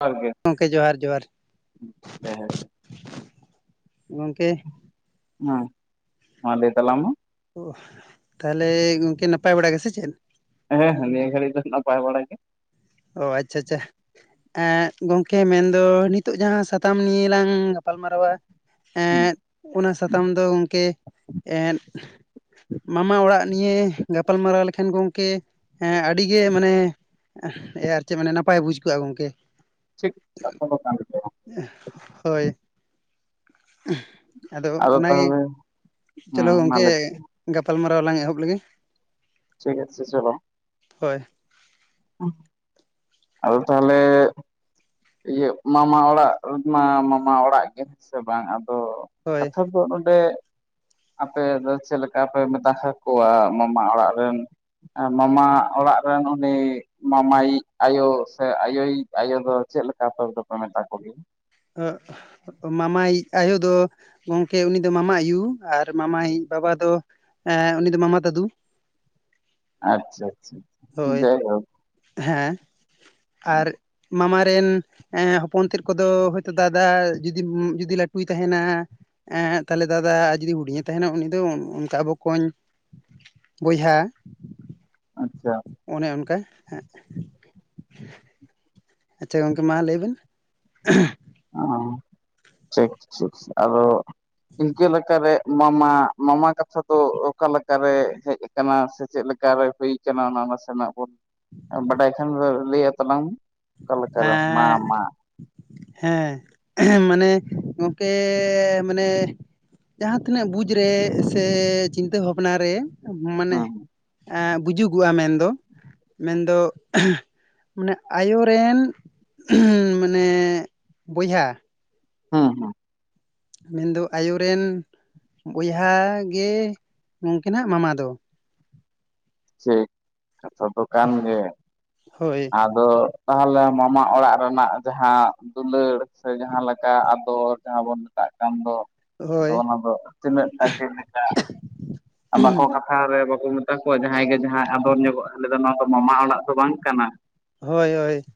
ᱡᱚᱦᱟᱨ ᱜᱮ ᱜᱚᱢᱠᱮ ᱡᱚᱦᱟᱨ ᱡᱚᱦᱟᱨ ᱡᱟᱭᱦᱳᱠ ᱜᱚᱢᱠᱮ ᱦᱩᱸ ᱢᱟ ᱞᱟᱹᱭ ᱛᱟᱞᱟᱝ ᱢᱮ ᱛᱟᱦᱚᱞᱮ ᱜᱚᱝᱠᱮ ᱱᱟᱯᱟᱭ ᱵᱟᱲᱟ ᱜᱮᱥᱮ ᱪᱮᱫ ᱦᱮᱸ ᱱᱤᱭᱟᱹ ᱜᱟᱹᱲᱤ ᱫᱚ ᱱᱟᱯᱟᱭ ᱵᱟᱲᱟ ᱜᱮ ᱮ ᱜᱚᱝᱠᱮ ᱢᱮᱱᱫᱚ ᱱᱤᱛᱚᱜ ᱡᱟᱦᱟᱸ ᱥᱟᱛᱟᱢ ᱱᱤᱭᱮᱞᱟᱝ ᱜᱟᱯᱟᱞᱢᱟᱨᱟᱣᱟ ᱦᱮᱸ ᱮᱸᱫ ᱚᱱᱟ ᱥᱟᱛᱟᱢ ᱫᱚ ᱜᱚᱢᱠᱮ ᱮᱫ ᱢᱟᱢᱟ ᱚᱲᱟᱜ ᱱᱤᱭᱟᱹ ᱜᱟᱯᱟᱞᱢᱟᱨᱟᱣ ᱞᱮᱠᱷᱟᱱ ᱜᱚᱝᱠᱮ ᱟᱹᱰᱤᱜᱮ ᱢᱟᱱᱮ ᱮ ᱟᱨ ᱪᱮᱫ ᱢᱟᱱᱮ ᱱᱟᱯᱟᱭ ᱵᱩᱡᱽ ᱠᱚᱜᱼᱟ ᱜᱚᱝᱠᱮ ᱴᱷᱤᱠ ᱠᱟᱛᱷᱟ ᱫᱚ ᱠᱟᱱ ᱜᱮᱭᱟ ᱦᱳᱭ ᱟᱫᱚ ᱚᱱᱟᱜᱮ ᱪᱚᱞᱚ ᱦᱮᱸ ᱢᱟ ᱜᱚᱝᱠᱮ ᱞᱟᱹᱭ ᱜᱟᱯᱟᱞᱢᱟ ᱰᱚ ᱞᱟᱝ ᱮᱦᱚᱵ ᱞᱮᱜᱮ ᱴᱷᱤᱠ ᱟᱪᱷᱮ ᱪᱚᱞᱚ᱾ ᱦᱳᱭ ᱟᱫᱚ ᱛᱟᱦᱚᱞᱮ ᱤᱭᱟᱹᱜ ᱢᱟᱢᱟ ᱚᱲᱟᱜ ᱢᱟ ᱢᱟᱢᱟ ᱚᱲᱟᱜ ᱜᱮᱸ ᱥᱮ ᱵᱟᱝ ᱟᱢ ᱛᱚ ᱦᱳᱭ ᱠᱟᱛᱷᱟ ᱫᱚ ᱱᱚᱰᱮ, [inaudible] ᱟᱯᱮ ᱫᱚ ᱪᱮᱜᱞᱮᱠᱟ ᱯᱮ ᱢᱮᱛᱟᱦᱟᱠᱚᱣᱟ ᱟᱠᱚᱣᱟ ᱢᱟᱢᱟ ᱚᱲᱟᱜ ᱨᱮᱱ, ᱢᱟᱢᱟ ᱚᱲᱟᱜ ᱨᱮᱱ᱾ ᱮᱱ ᱩᱱᱤ ᱢᱟᱢᱟᱭᱤᱡ ᱟᱭᱳ ᱥᱮ ᱟᱭᱳᱭᱤᱡ ᱟᱭᱳ ᱫᱚ ᱪᱮᱫ ᱞᱮᱠᱟ ᱟᱯᱮ ᱫᱚᱯᱮ ᱢᱮᱛᱟ ᱠᱚᱜᱮᱭᱟ᱾ ᱢᱟᱢᱟᱭᱤᱡ ᱟᱭᱳ ᱫᱚ ᱜᱚᱝᱠᱮ ᱩᱱᱤ ᱫᱚ ᱢᱟᱢᱟ ᱟᱭᱩ, ᱟᱨ ᱢᱟᱢᱟᱭᱤᱡ ᱵᱟᱵᱟ ᱫᱚ ᱮ ᱩᱱᱤ ᱫᱚ ᱢᱟᱢᱟ ᱫᱟᱫᱩ, ᱟᱪᱪᱷᱟ ᱟᱪᱪᱷᱟ ᱦᱳᱭ ᱡᱟᱭᱦᱳᱠ᱾ ᱦᱮᱸ ᱟᱨ ᱢᱟᱢᱟ, ᱨᱮᱱ ᱮᱸ ᱦᱚᱯᱚᱱ ᱛᱮᱫ ᱠᱚᱫᱚ ᱦᱚᱭᱛᱳ ᱫᱟᱫᱟ ᱡᱩᱫᱤ ᱡᱩᱫᱤ ᱞᱟᱹᱴᱩᱭ ᱛᱟᱦᱮᱱᱟ᱾ ᱦᱮᱸ ᱛᱟᱦᱞᱮ ᱫᱟᱫᱟ ᱡᱩᱫᱤ ᱦᱩᱰᱤᱧᱮ ᱛᱟᱦᱮᱱᱟ ᱩᱱᱤ ᱫᱚ ᱚᱱᱠᱟ ᱵᱚᱠᱚᱧ᱾ ᱵᱚᱭᱦᱟ ᱟᱪᱪᱷᱟ ᱚᱱᱮ ᱚᱱᱠᱟ, ᱦᱮ ᱟᱪᱪᱷᱟ ᱜᱚᱝᱠᱮ ᱢᱟ ᱞᱟᱹᱭᱵᱤᱱ [unintelligible] ᱚᱸ ᱴᱷᱤᱠ ᱴᱷᱤᱠ, ᱟᱫᱚ ᱤᱱᱠᱟᱹ ᱞᱮᱠᱟᱨᱮ, ᱢᱟᱢᱟ ᱢᱟᱢᱟ ᱠᱟᱛᱷᱟ ᱫᱚ ᱚᱠᱟ ᱞᱮᱠ ᱠᱟᱨᱮ ᱦᱮᱡ ᱟᱠᱟᱱᱟ ᱥᱮ, ᱪᱮᱫ ᱞᱮᱠᱟᱨᱮ ᱦᱩᱭ ᱠᱟᱱᱟ, ᱚᱱᱟ ᱱᱟᱥᱮᱱᱟᱜ ᱵᱚᱱ ᱵᱟᱰᱟᱭ ᱠᱷᱟᱱ ᱫᱚ ᱞᱟᱹᱭᱟ ᱛᱟᱞᱟᱝ ᱢᱮ, ᱚᱠᱟ ᱞᱮᱠᱟᱨᱮ ᱢᱟ ᱮᱸ ᱢᱟ [unintelligible] ᱢᱟᱱᱮ ᱜᱚᱝᱠᱮ ᱢᱟᱱᱮ ᱡᱟᱦᱟᱸ ᱛᱤᱱᱟᱹᱜ ᱵᱩᱡᱽ ᱨᱮ ᱥᱮ ᱪᱤᱱᱛᱟᱹ ᱵᱷᱟᱵᱽᱱᱟ ᱨᱮ ᱢᱟᱱᱮ ᱦᱩᱸ ᱵᱩᱡᱩᱜᱚᱜᱼᱟ ᱢᱮᱱ ᱫᱚ ᱢᱮᱱᱫᱚ, [unintelligible] ᱢᱟᱱᱮ ᱟᱭᱳ ᱨᱮᱱ [unintelligible] ᱢᱟᱱᱮ ᱵᱚᱭᱦᱟ, ᱦᱩᱸ ᱦᱩᱸ ᱢᱮᱱᱫᱚ ᱟᱭᱳ ᱨᱮᱱ ᱵᱚᱭᱦᱟ ᱜᱮ ᱜᱚᱝᱠᱮᱱᱟᱜ ᱢᱟᱢᱟ ᱫᱚ, ᱪᱮᱜ ᱟᱪᱰᱷᱟ ᱫᱚᱠᱟᱱ ᱜᱤ ᱦᱳᱭ ᱟᱫᱳ, ᱛᱟᱦᱚᱞᱮ ᱢᱟᱢᱟ ᱚᱲᱟᱜ ᱨᱮᱱᱟᱜ ᱡᱟᱦᱟᱸ ᱫᱩᱞᱟᱹᱲ, ᱥᱮ ᱡᱟᱦᱟᱸ ᱞᱮᱠᱟ ᱟᱫᱚᱨ ᱡᱟᱦᱟᱸ ᱵᱚᱱ ᱢᱮᱛᱟᱜ ᱟᱜ ᱠᱟᱱᱫᱚ ᱟᱫᱚ ᱦᱳᱭ ᱚᱱᱟ ᱫᱚ ᱛᱤᱱᱟᱹᱜ ᱴᱟᱠᱮᱢ ᱢᱮᱛᱟᱜ ᱟᱨ ᱵᱟᱠᱳ ᱠᱟᱛᱷᱟᱣ ᱨᱮ ᱢᱮᱛᱟ ᱠᱚᱣᱟ ᱡᱟᱦᱟᱸᱭ ᱜᱮ ᱡᱟᱦᱟᱸᱭ ᱟᱫᱚᱨ ᱧᱚᱜᱚᱜ ᱞᱮᱫᱟ ᱱᱚᱣᱟ ᱫᱚ ᱢᱟᱢᱟ ᱚᱲᱟᱜ ᱫᱚ ᱵᱟᱝ ᱠᱟᱱᱟ ᱾ ᱦᱳᱭ ᱦᱳᱭ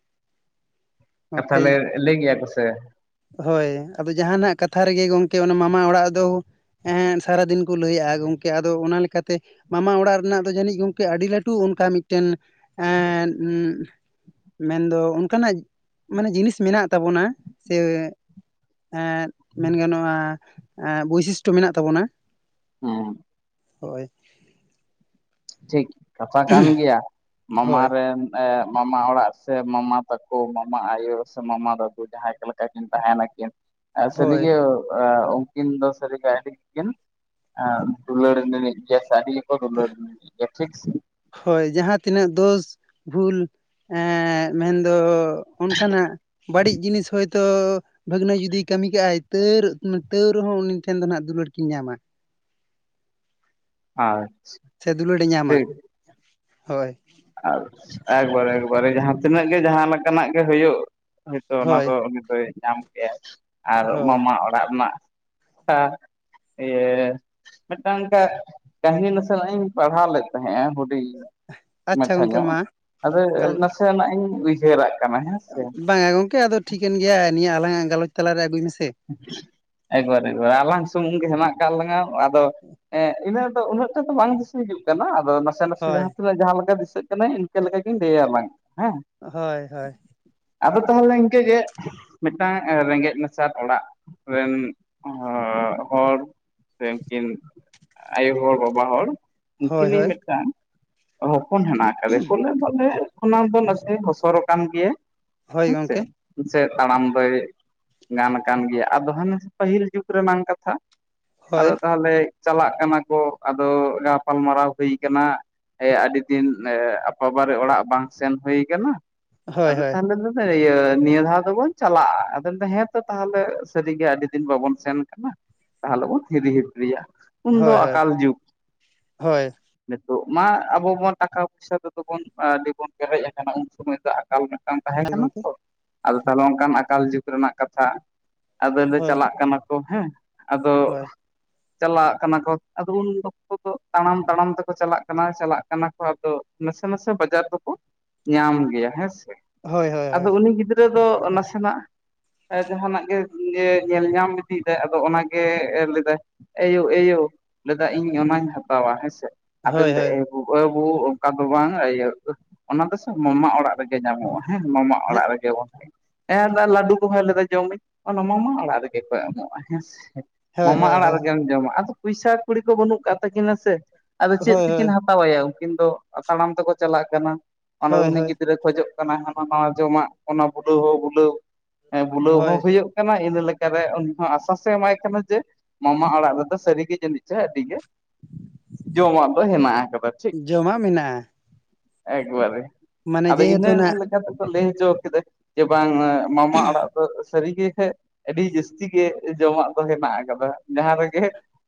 ᱠᱟᱛᱷᱟ ᱜᱚᱝᱠᱮ ᱞᱮ ᱞᱟᱹᱭ ᱜᱮᱭᱟ ᱠᱚᱥᱮ᱾ ᱦᱳᱭ ᱟᱫᱚ ᱡᱟᱦᱟᱱᱟᱜ ᱠᱟᱛᱷᱟ ᱨᱮᱜᱮ ᱜᱚᱝᱠᱮ ᱚᱱᱟ ᱢᱟᱢᱟ ᱚᱲᱟᱜ ᱫᱚ ᱮᱸ ᱥᱟᱨᱟᱫᱤᱱ ᱠᱚ ᱞᱟᱹᱭᱟᱜᱼᱟ, ᱜᱚᱝᱠᱮ ᱟᱫᱚ ᱚᱱᱟ ᱞᱮᱠᱟᱛᱮ ᱢᱟᱢᱟ ᱚᱲᱟᱜ ᱨᱮᱱᱟᱜ ᱫᱚ ᱡᱟᱹᱱᱤᱡ ᱜᱚᱝᱠᱮ ᱟᱹᱰᱤ ᱞᱟᱹᱴᱩ ᱚᱱᱠᱟ ᱢᱤᱫᱴᱮᱱ ᱮᱸ ᱩᱸᱜ᱾ ᱢᱮᱱᱫᱚ ᱚᱱᱠᱟᱱᱟᱜ ᱢᱟᱱᱮ ᱡᱤᱱᱤᱥ ᱢᱮᱱᱟᱜ ᱛᱟᱵᱚᱱᱟ ᱾ ᱥᱮ ᱮᱸ ᱢᱮᱱ ᱜᱟᱱᱚᱜᱼᱟ ᱵᱳᱭᱥᱤᱥᱴᱚ ᱢᱮᱱᱟᱜ ᱛᱟᱵᱚᱱᱟ᱾ ᱦᱮᱸ ᱦᱳᱭ ᱴᱷᱤᱠ ᱠᱟᱛᱷᱟ ᱠᱟᱱ ᱜᱮᱭᱟ, ᱢᱟᱢᱟ ᱦᱳᱭ ᱨᱮᱱ ᱮ ᱢᱟᱢᱟ ᱚᱲᱟᱜ ᱥᱮ, ᱢᱟᱢᱟ ᱛᱟᱠᱚ ᱢᱟᱢᱟ ᱟᱭᱳ ᱥᱮ ᱢᱟᱢᱟ ᱫᱟᱹᱫᱩ ᱡᱟᱦᱟᱸᱭ ᱠᱚ ᱞᱮᱠᱟ ᱠᱤᱱ ᱛᱟᱦᱮᱱᱟᱠᱤᱱ᱾ ᱟᱨ ᱦᱳᱭ ᱥᱟᱞᱤᱭᱟᱹ ᱟᱹ ᱩᱱᱠᱤᱱ ᱫᱚ ᱥᱟᱹᱨᱤᱜᱮ ᱟᱹᱰᱤᱠᱤᱱ ᱟᱹ ᱫᱩᱞᱟᱹᱲ ᱱᱤᱱᱤᱜ ᱜᱮᱭᱟ ᱥᱮ ᱟᱹᱰᱤ [unintelligible] ᱥᱮ ᱦᱳᱭ ᱡᱟᱦᱟᱸᱛᱤᱱᱟᱹᱜ ᱫᱳᱥ ᱵᱷᱩᱞ ᱮ ᱢᱮᱱᱫᱚ ᱚᱱᱠᱟᱱᱟᱜ ᱵᱟᱹᱲᱤᱡ ᱡᱤᱱᱤᱥ ᱦᱳᱭᱛᱳ ᱵᱷᱟᱹᱜᱽᱱᱟᱹ ᱡᱩᱫᱤᱭ ᱠᱟᱹᱢᱤ ᱠᱟᱜᱼᱟᱭ ᱛᱟᱨ ᱛᱟᱹᱣ ᱨᱮᱦᱚᱸ ᱩᱱᱤ ᱴᱷᱮᱱ ᱫᱚ ᱦᱟᱸᱜ ᱫᱩᱞᱟᱹᱲ ᱠᱤᱱ ᱧᱟᱢᱟ [unintelligible] ᱟᱭ ᱥᱮ ᱫᱩᱞᱟᱹᱲᱮ ᱧᱟᱢᱟ ᱦᱳᱭ ᱟᱨ ᱮᱠᱵᱟᱨᱮ ᱮᱠᱵᱟᱨᱮ ᱡᱟᱦᱟᱸ ᱛᱤᱱᱟᱹᱜ ᱜᱮ ᱡᱟᱦᱟᱸ ᱞᱮᱠᱟᱱᱟᱜ ᱜᱮ ᱦᱩᱭᱩᱜ ᱦᱳᱭᱛᱳ ᱚᱱᱟ ᱦᱳᱭ ᱫᱚ ᱩᱱᱤ ᱫᱚᱭ ᱧᱟᱢ ᱠᱮᱭᱟ ᱟᱨ ᱦᱳᱭ ᱢᱟᱢᱟ ᱚᱲᱟᱜ ᱨᱮᱱᱟᱜ [unintelligible] ᱤᱭᱟᱹ ᱢᱤᱫᱴᱟᱝ ᱚᱝᱠᱟ ᱠᱟᱹᱦᱟᱹᱱᱤ ᱱᱟᱥᱮᱱᱟᱜ ᱤᱧ ᱯᱟᱲᱦᱟᱣ ᱞᱮᱫ ᱛᱟᱦᱮᱸᱜᱼᱟ ᱦᱩᱰᱤᱧ ᱟᱪᱪᱷᱟ ᱢᱟᱪᱷᱟ ᱜᱚᱝᱠᱮ ᱧᱚᱜ ᱢᱟ ᱟᱫᱚ ᱜᱟᱞ ᱱᱟᱥᱮ ᱱᱟᱜ ᱤᱧ ᱩᱭᱦᱟᱹᱨᱟ ᱵᱟᱝᱟ ᱜᱚᱝᱠᱮ ᱟᱫᱚ ᱴᱷᱤᱠᱟᱹᱱ ᱜᱮᱭᱟ ᱱᱤᱭᱟᱹ ᱟᱞᱟᱝᱟᱜ ᱜᱟᱞᱚᱪ ᱛᱟᱞᱟᱨᱮ ᱟᱹᱜᱩᱭ ᱢᱮᱥᱮ ᱮᱠᱵᱟᱨ ᱟᱞᱟᱝ ᱥᱩᱢᱩᱝ ᱜᱮ ᱦᱮᱱᱟᱜ ᱠᱟᱫ ᱞᱟᱝ-ᱟ ᱟᱫᱚ ᱤᱱᱟᱹ ᱩᱱᱟᱹᱜ ᱴᱟ ᱫᱚ ᱵᱟᱝ ᱫᱤᱥᱟᱹᱦᱤᱡᱩᱜ ᱠᱟᱱᱟ ᱟᱫᱚ ᱱᱟᱥᱮ ᱱᱟᱥᱮ ᱦᱳᱭ ᱡᱟᱦᱟᱸ ᱛᱤᱱᱟᱹᱜ ᱡᱟᱦᱟᱸ ᱞᱮᱠᱟ ᱫᱤᱥ ᱤᱱᱠᱟᱹ ᱞᱮᱠᱟ ᱜᱤᱧ ᱞᱟᱹᱭᱟ ᱵᱟᱝ ᱦᱮᱸ ᱦᱳᱭ ᱦᱳᱭ ᱟᱫᱚ ᱛᱟᱦᱟᱞᱮ ᱤᱱᱠᱟᱹ ᱜᱮ ᱢᱤᱫᱴᱟᱝ ᱨᱮᱸᱜᱮᱡ ᱱᱟᱪ ᱪᱟᱨ ᱚᱲᱟᱜ ᱨᱮᱱ ᱦᱚᱲ ᱥᱮ ᱩᱱᱠᱤᱱ ᱟᱭᱳ ᱦᱚᱲ ᱵᱟᱵᱟ ᱦᱚᱲ ᱦᱳᱭ ᱩᱱᱠᱤᱱᱤᱧ ᱦᱳᱭ ᱢᱤᱫᱴᱟᱝ ᱦᱚᱯᱚᱱ ᱦᱮᱱᱟᱜ ᱟᱠᱟᱫᱟᱮ ᱠᱚᱠᱮ ᱵᱚᱞᱮ ᱠᱷᱚᱱᱟᱜ ᱫᱚ ᱱᱟᱥᱮ ᱦᱚᱥᱚᱨ ᱟᱠᱟᱱᱟ ᱜᱮᱭᱟ ᱦᱳᱭ ᱦᱮᱪᱮ ᱜᱚᱝᱠᱮ ᱥᱮ ᱛᱟᱲᱟᱢᱫᱚᱭ ᱜᱟᱱ ᱟᱠᱟᱱ ᱜᱮᱭᱟ ᱟᱫᱚ ᱦᱟᱱᱮ ᱯᱟᱹᱦᱤᱞ ᱡᱩᱜᱽ ᱨᱮᱱᱟᱝ ᱠᱟᱛᱷᱟ ᱦᱳᱭ ᱟᱫᱚ ᱛᱟᱦᱚᱞᱮ ᱪᱟᱞᱟᱜ ᱠᱟᱱᱟ ᱠᱚ ᱟᱫᱚ ᱜᱟᱯᱟᱞᱢᱟᱨᱟᱣ ᱦᱩᱭ ᱠᱟᱱᱟ ᱟᱭᱟᱜ ᱟᱹᱰᱤ ᱫᱤᱱ ᱟᱯᱟᱵᱟᱨᱮ ᱚᱲᱟᱜ ᱵᱟᱝ ᱥᱮᱱ ᱦᱩᱭ ᱠᱟᱱᱟ ᱦᱳᱭ ᱟᱫᱚ ᱦᱳᱭ ᱛᱟᱦᱚᱞᱮ ᱞᱮᱫᱟᱣ ᱱᱤᱭᱟᱹ ᱫᱷᱟᱣ ᱫᱚᱵᱚᱱ ᱪᱟᱞᱟᱜᱼᱟ ᱟᱫᱚ ᱞᱮᱭ ᱫᱟᱭ ᱦᱮᱸ ᱛᱟᱦᱚᱞᱮ ᱥᱟᱹᱨᱤᱜᱮ ᱟᱹᱰᱤ ᱫᱤᱱ ᱵᱟᱵᱚᱱ ᱥᱮᱱ ᱠᱟᱱᱟ ᱛᱟᱦᱚᱞᱮ ᱵᱚᱱ ᱦᱤᱨᱤ ᱦᱤᱯᱨᱤᱭᱟ ᱩᱱᱫᱚ ᱦᱳᱭ ᱦᱳᱭ ᱟᱠᱟᱞ ᱡᱩᱜᱽ ᱦᱳᱭ ᱛᱚ ᱢᱟ ᱟᱵᱚ ᱵᱚᱱ ᱴᱟᱠᱟ ᱯᱚᱭᱥᱟ ᱛᱮᱫᱚ ᱵᱚᱱ ᱟᱹᱰᱤᱵᱚᱱ ᱯᱮᱨᱮᱡ ᱠᱟᱱᱟ ᱩᱱ ᱥᱚᱢᱚᱭ ᱫᱚ ᱟᱠᱟᱞ ᱛᱟᱦᱮᱸ ᱠᱟᱱᱟ ᱜᱚᱝᱠᱮ ᱛᱚ ᱟᱫᱚ ᱛᱟᱦᱚᱞᱮ ᱚᱱᱠᱟᱱ ᱟᱠᱟᱞ ᱡᱩᱜᱽ ᱨᱮᱱᱟᱜ ᱠᱟᱛᱷᱟ ᱟᱫᱚ ᱞᱮ ᱦᱳᱭ ᱪᱟᱞᱟᱜ ᱠᱟᱱᱟ ᱠᱚ ᱦᱮᱸ ᱟᱫᱚ ᱦᱳᱭ ᱪᱟᱞᱟᱜ ᱠᱟᱱᱟ ᱠᱚ ᱟᱫᱚ ᱩᱱ ᱚᱠᱛᱚ ᱫᱚ ᱛᱟᱲᱟᱢ ᱛᱟᱲᱟᱢ ᱛᱮᱠᱚ ᱪᱟᱞᱟᱜ ᱠᱟᱱᱟ ᱪᱟᱞᱟᱜ ᱠᱟᱱᱟ ᱠᱚ ᱟᱫᱚ ᱱᱟᱥᱮ ᱱᱟᱥᱮ ᱵᱟᱡᱟᱨ ᱫᱚᱠᱚ ᱧᱟᱢ ᱜᱮᱭᱟ ᱦᱮᱸ ᱥᱮ ᱦᱳᱭ ᱦᱳᱭ ᱦᱳᱭ ᱫᱚ ᱱᱟᱥᱮᱱᱟᱜ ᱡᱟᱦᱟᱱᱟᱜ ᱜᱮ ᱧᱮᱞ ᱧᱟᱢ ᱤᱫᱤᱭᱮᱫᱟᱭ ᱟᱫᱚ ᱚᱱᱟᱜᱮ ᱞᱟᱹᱭ ᱫᱟᱭ ᱮᱭᱳ ᱮᱭᱳ ᱞᱟᱹᱭᱫᱟ ᱤᱧ ᱚᱱᱟᱧ ᱦᱟᱛᱟᱣᱟ ᱦᱮᱸᱥᱮ ᱟᱫᱚ ᱦᱳᱭ ᱦᱳᱭ ᱞᱟᱹᱭ ᱫᱟ ᱦᱮᱸ ᱮᱜᱳ ᱚ ᱚᱱᱠᱟ ᱫᱚ ᱵᱟᱝ ᱤᱭᱟᱹ ᱚᱱᱟ ᱫᱚ ᱥᱮ ᱢᱟᱢᱟ ᱚᱲᱟᱜ ᱨᱮᱜᱮ ᱧᱟᱢᱚᱜᱼᱟ ᱦᱮᱸ ᱢᱟᱢᱟ ᱚᱲᱟᱜ ᱨᱮᱜᱮ ᱵᱚᱱ ᱦᱮᱸ ᱞᱟᱹᱰᱩ ᱞᱮᱫᱟ ᱡᱚᱢᱟᱹᱧ ᱚᱱᱟ ᱢᱟᱢᱟ ᱚᱲᱟᱜ ᱨᱮᱜᱮ ᱠᱚ ᱮᱢᱚᱜᱼᱟ ᱦᱮᱸ ᱥᱮ ᱦᱳᱭ ᱢᱟᱢᱟ ᱚᱲᱟᱜ ᱦᱳᱭ ᱨᱮᱜᱮᱢ ᱡᱚᱢᱟ ᱟᱫᱚ ᱯᱚᱭᱥᱟ ᱠᱩᱲᱤ ᱠᱚ ᱵᱟᱹᱱᱩᱜ ᱠᱟᱫ ᱛᱟᱹᱠᱤᱱᱟ ᱥᱮ ᱟᱫᱚ ᱪᱮᱫ ᱦᱳᱭ ᱦᱳᱭ ᱛᱮᱠᱤᱱ ᱦᱳᱭ ᱦᱟᱛᱟᱣᱟᱭᱟ ᱩᱱᱠᱤᱱ ᱫᱚ ᱛᱟᱲᱟᱢ ᱛᱮᱠᱚ ᱪᱟᱞᱟᱜ ᱠᱟᱱᱟ ᱟᱨ ᱦᱳᱭ ᱩᱱᱤ ᱦᱳᱭ ᱜᱤᱫᱽᱨᱟᱹ ᱠᱷᱚᱡᱚᱜ ᱦᱟᱱᱟ ᱱᱟᱣᱟ ᱡᱚᱢᱟᱜ ᱚᱱᱟ ᱵᱩᱞᱟᱹᱣ ᱦᱚᱸ ᱵᱩᱞᱟᱹᱣ ᱵᱩᱞᱟᱹᱣ ᱦᱚᱸ ᱦᱳᱭ ᱦᱩᱭᱩᱜ ᱠᱟᱱᱟ ᱤᱱᱟᱹ ᱞᱮᱠᱟᱨᱮ ᱩᱱᱤ ᱦᱚᱸ ᱟᱥᱥᱟᱥᱮ ᱮᱢᱟᱭ ᱠᱟᱱᱟ ᱡᱮ ᱢᱟᱢᱟ ᱚᱲᱟᱜ ᱨᱮᱫᱚ ᱥᱟᱹᱨᱤᱜᱮ ᱡᱟᱹᱱᱤᱡ ᱪᱚ ᱟᱹᱰᱤ ᱜᱮ ᱡᱚᱢᱟᱜ ᱫᱚ ᱦᱮᱱᱟᱜ ᱟᱠᱟᱫᱟ ᱴᱷᱤᱠ ᱡᱚᱢᱟᱜ ᱢᱮᱱᱟᱜᱼᱟ ᱮᱠᱵᱟᱨᱮ ᱢᱟᱱᱮ ᱟᱫᱚ ᱤᱱᱟᱹ ᱡᱮᱦᱮᱛᱩ ᱱᱟᱜ ᱞᱮᱠᱟ ᱛᱮᱠᱚ ᱞᱟᱹᱭ ᱦᱚᱪᱚ ᱠᱮᱫᱟ ᱡᱮ ᱵᱟᱝ ᱢᱟᱢᱟ ᱚᱲᱟᱜ ᱫᱚ ᱥᱟᱹᱨᱤᱜᱮ ᱠᱷᱟᱡ ᱟᱹᱰᱤ ᱡᱟᱹᱥᱛᱤ ᱜᱮ ᱡᱚᱢᱟᱜ ᱫᱚ ᱦᱮᱱᱟᱜ ᱟᱠᱟᱫᱟ ᱡᱟᱦᱟᱸ ᱨᱮᱜᱮ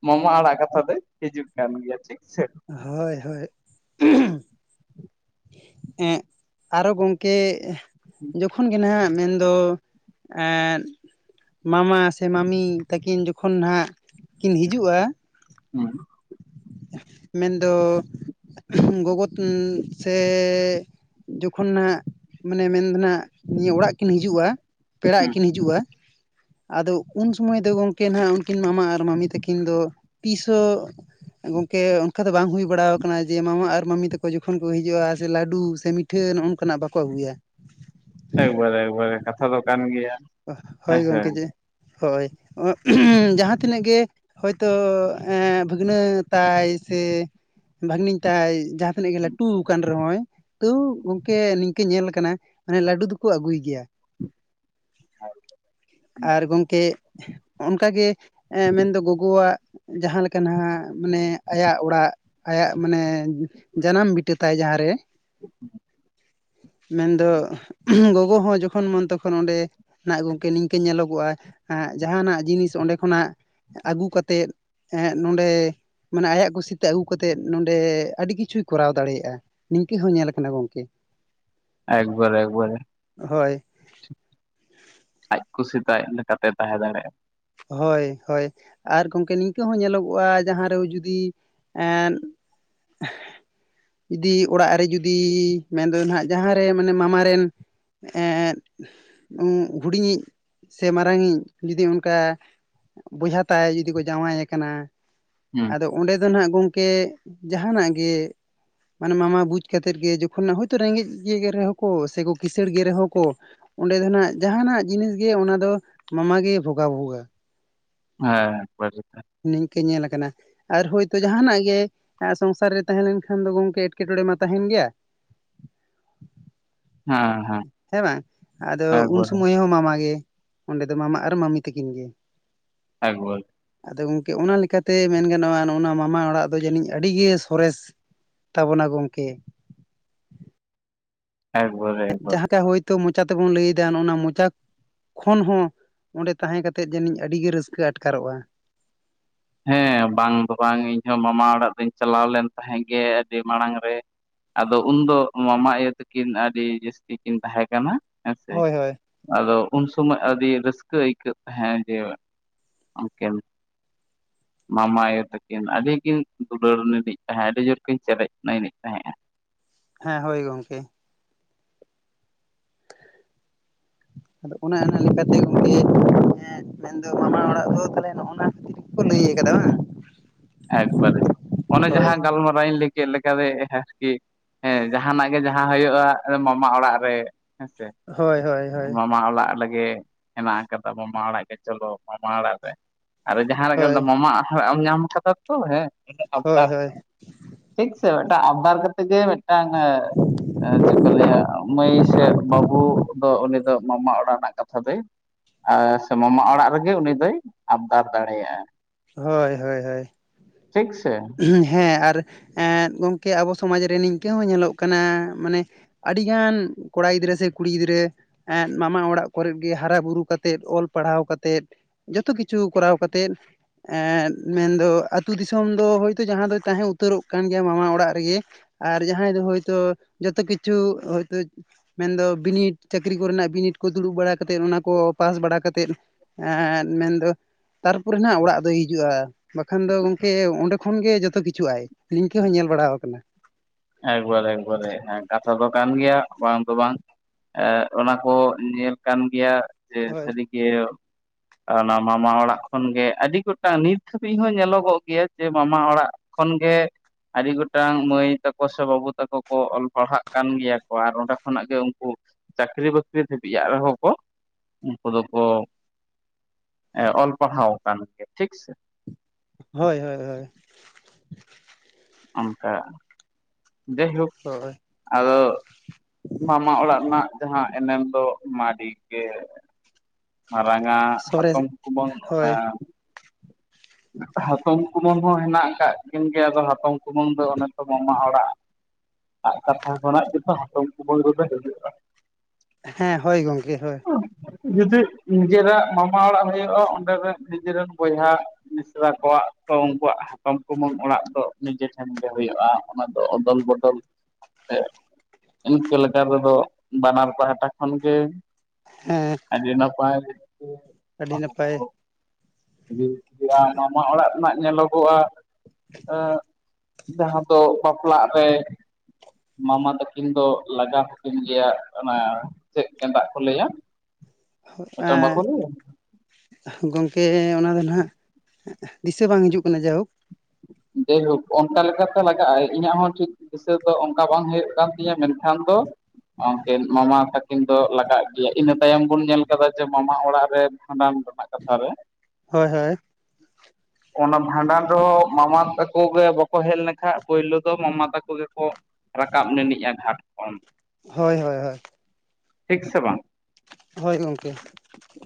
ᱢᱟᱢᱟ ᱟᱲᱟᱜ ᱠᱟᱛᱷᱟ ᱠᱟᱛᱷᱟ ᱛᱮ ᱦᱤᱡᱩᱜ ᱠᱟᱱ ᱜᱮᱭᱟ ᱴᱷᱤᱠ ᱥᱮ ᱦᱳᱭ ᱦᱳᱭ ᱟᱨᱦᱚ ᱜᱚᱝᱠᱮ ᱡᱚᱠᱷᱚᱱ ᱜᱮ ᱱᱟᱦᱱᱟᱜ ᱢᱮᱱᱫᱚ ᱮᱸᱫ ᱢᱟᱢᱟ ᱥᱮ ᱢᱟᱢᱤ ᱛᱟᱹᱠᱤᱱ ᱡᱚᱠᱷᱚᱱ ᱦᱟᱸᱜ ᱠᱤᱱ ᱦᱤᱡᱩᱜᱼᱟ [unintelligible] ᱢᱮᱱᱫᱚ ᱜᱚᱜᱚ ᱥᱮ ᱡᱚᱠᱷᱚᱱ ᱱᱟᱟᱜ ᱢᱟᱱᱮ ᱢᱮᱱ ᱫᱚ ᱟᱜ ᱱᱤᱭᱟᱹ ᱚᱲᱟᱜ ᱠᱤᱱ ᱦᱤᱡᱩᱜᱼᱟ ᱯᱮᱲᱟ ᱦᱩᱸ ᱠᱤᱱ ᱦᱤᱡᱩᱜᱼᱟ ᱟᱫᱚ ᱩᱱ ᱥᱚᱢᱚᱭ ᱫᱚ ᱜᱚᱢᱠᱮ ᱦᱟᱸᱜ ᱩᱱᱠᱤᱱ ᱢᱟᱢᱟ ᱟᱨ ᱢᱟᱢᱢᱤ ᱛᱟᱹᱠᱤᱱ ᱫᱚ ᱛᱤᱥ ᱦᱚᱸ ᱜᱚᱝᱠᱮ ᱚᱱᱠᱟ ᱫᱚ ᱵᱟᱝ ᱦᱩᱭ ᱵᱟᱲᱟ ᱟᱠᱟᱱᱟ ᱡᱮ ᱢᱟᱢᱟ ᱟᱨ ᱢᱟᱹᱱᱢᱤ ᱛᱟᱠᱚ ᱡᱚᱠᱷᱚᱱ ᱠᱚ ᱦᱤᱡᱩᱜᱼᱟ ᱥᱮ ᱞᱟᱹᱰᱩ ᱥᱮ ᱢᱤᱴᱷᱟᱹ ᱱᱚᱜᱼ ᱱᱚᱝᱠᱟᱱᱟᱜ ᱵᱟᱠᱚ ᱟᱹᱜᱩᱭᱟ ᱮᱠᱵᱟᱨᱮ ᱮᱠᱵᱟᱨᱮ ᱠᱟᱛᱷᱟ ᱫᱚ ᱠᱟᱱ ᱜᱮᱭᱟ ᱦᱳᱭ ᱦᱮᱸᱥᱮ ᱜᱚᱝᱠᱮ ᱡᱮ ᱦᱳᱭ ᱡᱟᱦᱟᱸ ᱛᱤᱱᱟᱹᱜ ᱜᱮ ᱦᱳᱭᱛᱳ ᱵᱷᱟᱹᱜᱽᱱᱟᱹ ᱛᱟᱭ ᱥᱮ ᱵᱷᱟᱜᱱᱤᱧ ᱛᱟᱭ ᱡᱟᱦᱟᱸ ᱛᱤᱱᱟᱹᱜ ᱜᱮ ᱞᱟᱹᱩ ᱞᱟᱹᱴᱩ ᱟᱠᱟᱱ ᱨᱮᱦᱚᱸᱭ ᱛᱟᱹᱣ ᱜᱚᱝᱠᱮ ᱱᱤᱝᱠᱟᱹ ᱧᱮᱞ ᱠᱟᱱᱟ ᱢᱟᱱᱮ ᱞᱟᱹᱰᱩ ᱫᱚᱠᱚ ᱟᱹᱜᱩᱭ ᱜᱮᱭᱟ [unintelligible] [unintelligible] ᱟᱨ ᱜᱚᱝᱠᱮ ᱚᱱᱠᱟᱜᱮ ᱢᱮᱱᱫᱚ ᱜᱚᱜᱚᱣᱟᱜ ᱡᱟᱦᱟᱸᱮ ᱞᱮᱠᱟ ᱱᱟᱦᱟᱜ ᱢᱟᱱᱮ ᱟᱭᱟᱜ ᱚᱲᱟᱜ ᱟᱭᱟᱜ ᱢᱟᱱᱮ ᱡᱟᱱᱟᱢ ᱵᱤ ᱤᱴᱟᱹ ᱛᱟᱭ ᱡᱟᱦᱟᱸ ᱨᱮ [unintelligible] ᱢᱮᱱᱫᱚ ᱜᱚᱜᱚ ᱦᱚᱸ ᱡᱚᱠᱷᱚᱱ ᱢᱚᱱ ᱛᱚᱠᱷᱚᱱ ᱚᱸᱰᱮ ᱦᱟᱸᱜ ᱜᱚᱢᱠᱮ ᱱᱤᱝᱠᱟᱹ ᱧᱮᱞᱚᱜᱚᱜᱼᱟ ᱡᱟᱦᱟᱱᱟᱜ ᱡᱤᱱᱤᱥ ᱚᱸᱰᱮ ᱠᱷᱚᱱᱟᱜ ᱟᱹᱜᱩ ᱠᱟᱛᱮᱫ ᱱᱚᱰᱮ ᱢᱟᱱᱮ ᱟᱭᱟᱜ ᱠᱩᱥᱤᱛᱮ ᱟᱹᱜᱩ ᱠᱟᱛᱮᱜ ᱱᱚᱰᱮ ᱟᱹᱰᱤ ᱠᱤᱪᱷᱩᱭ ᱠᱚᱨᱟᱣ ᱫᱟᱲᱮᱭᱟᱜᱼᱟ ᱱᱤᱝᱠᱟᱹ ᱦᱚᱸ ᱧᱮᱞᱞᱟ ᱠᱟᱱᱟ ᱜᱚᱝᱠᱮ ᱮᱠᱵᱟᱨᱮ ᱮᱠᱵᱟᱨᱮ ᱠᱟᱛᱮ ᱛᱟᱦᱮᱸ ᱫᱟᱲᱭᱟᱜᱼᱟ ᱦᱳᱭ ᱦᱳᱭ ᱟᱨ ᱜᱚᱢᱠᱮ ᱱᱤᱝᱠᱟᱹ ᱦᱚᱸ ᱧᱮᱞᱚᱜᱚᱜᱼᱟ ᱡᱟᱦᱟᱸ ᱨᱮ ᱡᱩᱫᱤ ᱮᱸᱜ ᱡᱩᱫᱤ ᱚᱲᱟᱜ ᱨᱮ ᱡᱩᱫᱤ ᱢᱮᱱᱫᱚ ᱱᱟᱜ ᱡᱟᱦᱟᱸᱨᱮ ᱢᱟᱱᱮ ᱢᱟᱢᱟ ᱨᱮᱱ ᱮᱸᱫ ᱦᱩᱰᱤᱧᱤᱡ ᱥᱮ ᱢᱟᱨᱟᱝᱤᱡ ᱡᱩᱫᱤ ᱚᱱᱠᱟ ᱵᱚᱭᱦᱟ ᱛᱟᱭ ᱡᱩᱫᱤ ᱠᱚ ᱡᱟᱶᱟᱭᱮ ᱠᱟᱱᱟ ᱦᱩᱸ ᱟᱫᱚ ᱚᱸᱰᱮ ᱫᱚ ᱱᱟᱜ ᱜᱚᱝᱠᱮ ᱡᱟᱦᱟᱱᱟᱜ ᱜᱮ ᱢᱟᱱᱮ ᱢᱟᱢᱟ ᱵᱩᱡᱽ ᱠᱟᱛᱮᱫ ᱜᱮ ᱡᱚᱠᱷᱚᱱ ᱦᱳᱭᱛᱳ ᱨᱮᱸᱜᱮᱡ ᱨᱮᱦᱚᱸ ᱠᱚ ᱥᱮ ᱠᱤᱥᱟᱹᱬ ᱜᱮ ᱨᱮᱦᱚᱸ ᱠᱚ ᱚᱸᱰᱮ ᱫᱚ ᱱᱟᱜ ᱡᱟᱦᱱᱟᱜ ᱡᱤᱱᱤᱥ ᱜᱮ ᱚᱱᱟ ᱫᱚ ᱢᱟᱢᱟ ᱜᱮ ᱵᱷᱜᱟ ᱵᱷᱚᱜᱟ ᱦᱮᱸ ᱱᱤᱝᱠᱟᱹ ᱧᱮᱞᱟᱠᱟᱱᱟ ᱟᱨ ᱦᱳᱭᱛᱳ ᱡᱟᱦᱟᱱᱟᱜ ᱜᱮ ᱥᱚᱝᱥᱟᱨ ᱨᱮ ᱛᱟᱦᱮᱸ ᱞᱮᱱᱠᱷᱟᱱ ᱫᱚ ᱜᱚᱝᱠᱮ ᱮᱴᱠᱮᱴᱚᱬᱮ ᱢᱟ ᱛᱟᱦᱮᱱ ᱜᱮᱭᱟ ᱦᱮᱸ ᱵᱟᱝ ᱟᱫᱚ ᱩᱱ ᱮᱠᱵᱟᱨᱮ ᱥᱩᱚᱢᱚᱭ ᱦᱚᱸ ᱢᱟᱢᱟ ᱜᱮ ᱚᱸᱰᱮ ᱫᱚ ᱢᱟᱢᱟ ᱟᱨ ᱢᱟᱢᱤ ᱛᱟᱹᱠᱤᱱ ᱜᱮ ᱦᱮᱸᱵᱚᱞ ᱟᱫᱚ ᱜᱚᱢᱠᱮ ᱚᱱᱟ ᱞᱮᱠᱟᱛᱮ ᱢᱮᱱ ᱜᱟᱱᱚᱜᱼᱟᱜᱼ ᱱᱚᱣᱟ ᱢᱟᱢᱟ ᱚᱲᱟᱜ ᱫᱚ ᱡᱟᱹᱱᱤᱡ ᱟᱹᱰᱤᱜᱮ ᱥᱚᱨᱮᱥ ᱛᱟᱵᱚᱱᱟ ᱜᱚᱝᱠᱮ ᱮᱠᱵᱟᱨᱮ ᱮᱠᱵᱟᱨ ᱡᱤᱛᱚ ᱢᱚᱪᱟ ᱛᱮᱵᱚᱱ ᱞᱟᱹᱭᱮᱫᱟ ᱚᱱᱟ ᱢᱚᱪᱟ ᱠᱷᱚᱱ ᱦᱚᱸ ᱚᱸᱰᱮ ᱛᱟᱦᱮᱸ ᱠᱟᱛᱮᱜ ᱡᱟᱹᱱᱤᱡ ᱟᱹᱰᱤᱜᱮ ᱨᱟᱹᱥᱠᱟᱹ ᱟᱴᱠᱟᱨᱚᱜᱼᱟ ᱦᱮᱸ ᱵᱟᱝ ᱫᱚ ᱵᱟᱝ ᱤᱧᱦᱚ ᱢᱟᱢᱟ ᱚᱲᱟᱜ ᱫᱚᱧ ᱪᱟᱞᱟᱣ ᱞᱮᱱ ᱛᱟᱦᱮᱸᱜ ᱜᱮ ᱟᱹᱰᱤ ᱢᱟᱲᱟᱝ ᱨᱮ ᱟᱫᱚ ᱩᱱᱫᱚ ᱢᱟᱢᱟ ᱤᱭᱟᱹ ᱛᱮᱠᱤᱱ ᱟᱹᱰᱤ ᱡᱟᱹᱥᱛᱤ ᱠᱤᱱ ᱛᱟᱦᱮᱸ ᱠᱟᱱᱟ᱾ ᱦᱮᱸ ᱥᱮ ᱦᱳᱭ ᱦᱳᱭ ᱟᱫᱚ ᱩᱱ ᱥᱚᱢᱚᱭ ᱟᱹᱰᱤ ᱨᱟᱹᱥᱠᱟᱹ ᱟᱹᱭᱠᱟᱹᱜ ᱛᱟᱦᱮᱸᱜ ᱡᱮ ᱩᱱᱠᱤᱱ᱾ [unintelligible] ᱢᱟᱢᱟ ᱟᱭᱳ ᱛᱟᱹᱠᱤᱱ ᱟᱹᱰᱤ ᱠᱤᱱ ᱫᱩᱞᱟᱹᱲ ᱞᱤᱫᱤᱧ ᱛᱟᱦᱮᱸᱱᱟ ᱟᱹᱰᱤ ᱡᱳᱨ ᱠᱤᱱ ᱪᱮᱨᱮᱡ ᱮᱱᱜ ᱛᱟᱦᱮᱸᱼᱟ᱾ ᱦᱮᱸ ᱦᱳᱭ ᱜᱚᱢᱠᱮ [unintelligible] ᱟᱫᱚ ᱚᱱᱮ ᱚᱱᱟ ᱞᱮᱠᱟᱛᱮ ᱜᱚᱸᱠᱮ ᱛᱮᱦᱮᱝ ᱫᱚ ᱢᱟᱢᱟ ᱚᱞᱟᱜ ᱫᱩᱣᱟᱨ ᱯᱟᱞᱮ ᱱᱚᱻᱱᱟ ᱠᱷᱟᱛᱤᱨ ᱜᱮᱠᱚ ᱞᱟᱹᱭ ᱟᱠᱟᱫᱟ᱾ ᱵᱟᱝ [unintelligible] ᱮᱠᱵᱟᱨᱮ ᱚᱱᱮ ᱦᱳᱭ ᱡᱟᱦᱟᱸ ᱜᱟᱞᱢᱟᱨᱟᱣᱤᱧ ᱞᱟᱹᱭ ᱪᱮᱫ ᱞᱮᱠᱟᱛᱮ ᱟᱨᱠᱤ ᱡᱟᱦᱱᱟᱜ ᱜᱮ ᱡᱟᱦᱟᱸ ᱦᱩᱭᱩᱜᱼᱟ ᱢᱟᱢᱟ ᱚᱲᱟᱜ ᱨᱮ ᱦᱮᱸ ᱥᱮ ᱦᱳᱭ ᱦᱳᱭ ᱦᱳᱭ ᱢᱟᱢᱟ ᱚᱲᱟᱜ ᱞᱟᱹᱜᱤᱫ ᱜᱮ ᱦᱮᱱᱟᱜ ᱟᱠᱟᱫᱟ ᱢᱟᱢᱟ ᱟᱲᱟᱜ ᱜᱮ ᱪᱚᱞᱚ ᱢᱟᱢᱟ ᱚᱲᱟᱜ ᱨᱮ ᱟᱨ ᱡᱟᱦᱟᱸ ᱨᱮᱜᱮ ᱦᱳᱭ ᱢᱮᱱᱫᱚ ᱢᱟᱢᱟ ᱮᱢ ᱧᱟᱢ ᱟᱠᱟᱫᱟ ᱛᱚ ᱦᱮᱸ ᱟᱨ ᱦᱳᱭ ᱦᱳᱭ ᱴᱷᱤᱠ ᱥᱮ ᱢᱤᱫᱴᱟᱝ ᱟᱵᱫᱟᱨ ᱠᱟᱛᱮ ᱜᱮ ᱢᱤᱫᱴᱟᱝ ᱪᱮᱫ ᱠᱚ ᱞᱟᱹᱭᱟ ᱢᱟᱹᱭ ᱥᱮ ᱵᱟᱹᱵᱩ ᱫᱚ ᱩᱱᱤ ᱫᱚ ᱢᱟᱢᱟ ᱚᱲᱟᱜ ᱨᱮᱱᱟᱜ ᱠᱟᱛᱷᱟ ᱫᱚᱭ ᱟ ᱥᱮ ᱢᱟᱢᱟ ᱚᱲᱟᱜ ᱨᱮᱜᱮ ᱩᱱᱤ ᱫᱚᱭ ᱟᱵᱽᱫᱟᱨ ᱫᱟᱲᱮᱭᱟᱜᱼᱟ᱾ ᱦᱳᱭ ᱦᱳᱭ ᱦᱳᱭ ᱴᱷᱤᱠ ᱥᱮ ᱦᱩᱸ ᱦᱮᱸ ᱟᱨ ᱦᱮᱸ ᱜᱚᱝᱠᱮ ᱟᱵᱚ ᱥᱚᱢᱟᱡᱽ ᱨᱮ ᱱᱤᱝᱠᱟᱹ ᱦᱚᱸ ᱧᱮᱞᱚᱜ ᱠᱟᱱ ᱜᱤᱫᱽᱨᱟᱹ ᱥᱮ ᱠᱩᱲᱤ ᱜᱤᱫᱽᱨᱟᱹ ᱢᱟᱢᱟ ᱚᱲᱟᱜ ᱠᱚᱨᱮ ᱜᱮ ᱦᱟᱨᱟᱼ ᱵᱩᱨᱩ ᱠᱟᱛᱮᱫ ᱚᱞ ᱯᱟᱲᱦᱟᱣ ᱠᱟᱛᱮᱫ ᱡᱚᱛ ᱛᱚ ᱠᱤᱪᱷᱩ ᱠᱚᱨᱟᱣ ᱠᱟᱛᱮᱫ ᱮᱸᱜ ᱢᱮᱱᱫᱚ ᱟᱹᱛᱩ ᱫᱤᱥᱚᱢ ᱫᱚ ᱦᱳᱭᱛᱳ ᱡᱟᱦᱟᱸ ᱫᱚ ᱛᱟᱦᱮᱸ ᱩᱛᱟᱹᱨᱚᱜ ᱠᱟᱱ ᱜᱮᱭᱟ ᱢᱟᱢᱟ ᱚᱲᱟᱜ ᱨᱮᱜᱮ ᱟᱨ ᱡᱟᱦᱟᱸᱭ ᱫᱚ ᱦᱳᱭᱛᱚ ᱡᱚᱛᱚ ᱠᱤᱪᱷᱩ ᱦᱚᱭᱛᱳ ᱢᱮᱱᱫᱚ ᱵᱤᱱᱤᱰ ᱪᱟᱹᱠᱨᱤ ᱠᱚᱨᱮᱱᱟᱜ ᱵᱤᱱᱤᱰ᱾ ᱠᱚ ᱫᱩᱲᱩᱵ ᱵᱟᱲᱟ ᱠᱟᱛᱮ ᱚᱱᱟ ᱠᱚ ᱯᱟᱥ ᱵᱟᱲᱟ ᱠᱟᱛᱮᱫ ᱮ ᱢᱮᱱᱫᱚ ᱛᱟᱨᱯᱚᱨᱮ ᱱᱟᱜ ᱚᱲᱟᱜ ᱫᱚᱭ ᱦᱤᱡᱩᱜᱼᱟ ᱵᱟᱠᱷᱟᱱ ᱫᱚ ᱜᱚᱢᱠᱮ ᱚᱸᱰᱮ ᱠᱷᱚᱱᱜᱮ ᱡᱚᱛᱚ ᱠᱤᱪᱷᱩ ᱟᱭ ᱱᱤᱝᱠᱟᱹ ᱦᱚᱸᱭ ᱧᱮᱞ ᱵᱟᱲᱟ ᱠᱟᱱᱟ ᱮᱠᱵᱟᱨᱮ ᱮᱠᱵᱟᱨᱮ ᱠᱟᱛᱷᱟ ᱫᱚ ᱠᱟᱱ ᱜᱮᱭᱟ ᱵᱟᱝ ᱫᱚ ᱵᱟᱝ ᱮ ᱚᱱᱟ ᱠᱚ ᱧᱮᱞ ᱠᱟᱱ ᱜᱮᱭᱟ ᱡᱮ ᱦᱳᱭ ᱥᱟᱹᱨᱤᱜᱮ ᱚᱱᱟ ᱢᱟᱢᱟ ᱚᱲᱟᱜ ᱠᱷᱚᱱᱜᱮ ᱟᱹᱰᱤ ᱜᱚᱴᱟᱝ ᱱᱤᱛ ᱫᱷᱟᱹᱵᱤᱡ ᱦᱚᱸ ᱧᱮᱞᱚᱜᱚᱜ ᱜᱮᱭᱟ ᱡᱮ ᱢᱟᱢᱟ ᱚᱲᱟᱜ ᱠᱷᱚᱱ ᱜᱮ ᱟᱹᱰᱤ ᱜᱚᱴᱟᱝ ᱢᱟᱹᱭ ᱛᱟᱠᱚ ᱥᱮ ᱵᱟᱹᱵᱩ ᱛᱟᱠᱚ ᱠᱚ ᱨᱮᱭᱟᱜ ᱨᱮᱦᱚᱸ ᱠᱚ ᱩᱱᱠᱩ ᱫᱚᱠᱚ ᱚᱞ ᱯᱟᱲᱦᱟᱣ ᱟᱠᱟᱱ ᱜᱮ ᱴᱷᱤᱠ ᱥᱮ ᱦᱳᱭ ᱦᱳᱭ ᱦᱳᱭ ᱚᱱᱠᱟ ᱡᱟᱭ ᱦᱩᱠ ᱦᱳᱭ ᱟᱫᱚ ᱢᱟᱢᱟ ᱚᱲᱟᱜ ᱨᱮᱱᱟᱜ ᱡᱟᱦᱟᱸ ᱮᱱᱮᱢ ᱫᱚ ᱢᱟᱞᱤᱠ ᱜᱮ ᱢᱟᱨᱟᱝ ᱟᱜ ᱥᱚᱨᱮᱥ ᱦᱟᱛᱚᱢ ᱠᱩᱢᱟᱹᱝ ᱦᱳᱭ ᱚᱞᱟᱜ [inaudible] ᱦᱟᱛᱚᱢ ᱠᱩᱢᱟᱹᱝ ᱦᱚᱸ ᱢᱮᱱᱟᱜ ᱠᱟᱜ ᱠᱤᱱ ᱜᱮᱭᱟ ᱟᱫᱚ ᱦᱟᱛᱚᱢ ᱠᱩᱢᱟᱹᱝ ᱫᱚ ᱚᱱᱮ ᱛᱮ ᱢᱟᱢᱟ ᱚᱲᱟᱜ ᱟ ᱠᱟᱛᱷᱟ ᱠᱷᱚᱱᱟᱜ ᱜᱮᱫᱚ ᱦᱟᱴᱚᱢ ᱠᱩᱢᱟᱹᱝ ᱨᱮᱫᱚ ᱦᱤᱡᱩᱜ-ᱟ᱾ ᱦᱮᱸ ᱦᱳᱭ ᱜᱚᱢᱠᱮ ᱦᱳᱭ ᱡᱩᱫᱤ ᱱᱤᱡᱮᱨᱟᱜ ᱢᱟᱢᱟ ᱚᱲᱟᱜ ᱦᱩᱭᱩᱜᱼᱟ ᱚᱸᱰᱮ ᱨᱮᱱ ᱱᱤᱡᱮᱨᱮᱱ ᱵᱚᱭᱦᱟ ᱢᱤᱥᱨᱟ ᱠᱚᱣᱟᱜ ᱠᱚ ᱩᱱᱠᱩᱣᱟᱜ ᱦᱟᱛᱚᱢ ᱠᱩᱢᱟᱹᱝ ᱚᱲᱟᱜ ᱫᱚ ᱱᱤᱡᱮ ᱴᱷᱮᱱ ᱜᱮ ᱦᱩᱭᱩᱜᱼᱟ ᱚᱱᱟ ᱫᱚ ᱚᱫᱚᱞ ᱵᱚᱫᱚᱞ ᱥᱮ [inaudible] ᱤᱱᱠᱟᱹ ᱞᱮᱠᱟ ᱛᱮᱫᱚ ᱵᱟᱱᱟᱨ ᱯᱟᱦᱴᱟ ᱠᱷᱚᱱᱜᱮ ᱦᱮᱸ [unintelligible] ᱟᱹᱰᱤ ᱱᱟᱯᱟᱭ ᱤᱼᱟ ᱢᱟᱢᱟ ᱚᱲᱟᱜ ᱨᱮᱱᱟᱜ ᱧᱮᱞᱚᱜᱼᱟ ᱡᱟᱦᱟᱸ ᱫᱚ ᱵᱟᱯᱞᱟᱜ ᱨᱮ ᱢᱟᱢᱟ ᱛᱟᱹᱠᱤᱱ ᱫᱚ ᱞᱟᱜᱟᱣ ᱦᱚᱠᱤᱱ ᱜᱮᱭᱟ ᱚᱱᱟ ᱪᱮᱫ ᱜᱮᱸᱫᱟᱜ ᱠᱚ ᱞᱟᱹᱭᱟ ᱢᱤᱫᱴᱟᱱ ᱵᱟᱠᱚ ᱞᱟᱹᱭᱟ ᱜᱚᱢᱠᱮ ᱚᱱᱟ ᱫᱚ ᱱᱟᱦᱜ ᱫᱤᱥᱟᱹ ᱵᱟᱝ ᱦᱤᱡᱩᱜ ᱠᱟᱱᱟ ᱡᱟᱭᱦᱳᱠ ᱡᱟᱭᱦᱳᱠ ᱚᱱᱠᱟ ᱞᱮᱠᱟᱛᱮ ᱞᱟᱜᱟᱜ ᱟᱭ ᱤᱧᱟᱹᱜ ᱦᱚᱸ ᱴᱷᱤᱠ ᱫᱤᱥᱟᱹ ᱫᱚ ᱚᱱᱠᱟ ᱵᱟᱝ ᱦᱩᱭᱩᱜ ᱠᱟᱱ ᱛᱤᱧᱟᱹ ᱢᱮᱱᱠᱷᱟᱱ ᱠᱷᱟᱱ ᱫᱚ ᱩᱱᱠᱤᱱ ᱢᱟᱢᱟ ᱛᱟᱹᱠᱤᱱ ᱫᱚ ᱞᱟᱜᱟᱜ ᱜᱮᱭᱟ ᱤᱱᱟᱹ ᱛᱟᱭᱚᱢ ᱵᱚᱱ ᱧᱮᱞ ᱠᱟᱫᱟ ᱡᱮ ᱢᱟᱢᱟ ᱚᱲᱟᱜ ᱨᱮᱱ ᱵᱷᱟᱸᱰᱟᱱ ᱨᱮᱱᱟᱜ ᱠᱟᱛᱷᱟ ᱨᱮ ᱦᱳᱭ ᱦᱳᱭ ᱚᱱᱟ ᱵᱷᱟᱸᱰᱟᱱ ᱨᱮᱦᱚᱸ ᱢᱟᱢᱟ ᱛᱟᱠᱚ ᱜᱮ ᱵᱟᱠᱚ ᱦᱮᱡ ᱞᱮᱱᱠᱷᱟ ᱯᱳᱭᱞᱳ ᱫᱚ ᱢᱟᱢᱟ ᱛᱟᱠᱚ ᱜᱮᱠᱚ ᱨᱟᱠᱟᱵ ᱱᱤᱱᱤᱡᱼᱟ ᱜᱷᱟᱴ ᱠᱷᱚᱱ ᱦᱳᱭ ᱦᱳᱭ ᱦᱳᱭ ᱴᱷᱤᱠ ᱥᱮ ᱵᱟᱝ ᱦᱳᱭ ᱜᱚᱢᱠᱮ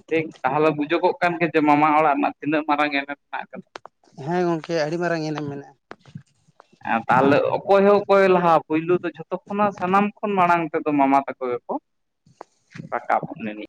ᱴᱷᱤᱠ ᱛᱟᱦᱚᱞᱮ ᱵᱩᱡ ᱵᱩᱡᱳᱜᱚᱜ ᱠᱟᱱ ᱜᱮᱭᱟ ᱡᱮ ᱢᱟᱢᱟ ᱚᱲᱟᱜ ᱨᱮᱱᱟᱜ ᱛᱤᱱᱟᱹᱜ ᱢᱟᱨᱟᱝ ᱮᱱᱮᱢ ᱢᱮᱱᱟᱜ ᱟᱠᱟᱫᱟ ᱦᱮᱸ ᱜᱚᱢᱠᱮ ᱟᱹᱰᱤ ᱢᱟᱨᱟᱝ ᱮᱱᱮᱢ ᱢᱮᱱᱟᱜᱼᱟ ᱛᱟᱦᱚᱞᱮ ᱚᱠᱚᱭ ᱦᱚᱸ ᱚᱠᱚᱭᱮ ᱞᱟᱦᱟ ᱯᱳᱭᱞᱳ ᱫᱚ ᱡᱷᱚᱛᱚ ᱠᱷᱚᱱᱟᱜ ᱥᱟᱱᱟᱢ ᱠᱷᱚᱱ ᱢᱟᱲᱟᱝ ᱛᱮ ᱫᱚ ᱢᱟᱢᱟ ᱛᱚᱠᱚ ᱜᱮᱠᱚ ᱨᱟᱠᱟᱵᱟ ᱡᱟᱹᱱᱤᱡ